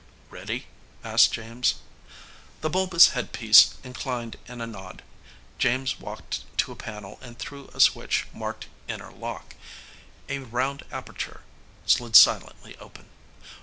"Ready?" asked James. The bulbous headpiece inclined in a nod. James walked to a panel and threw a switch marked INNER LOCK. A round aperture slid silently open.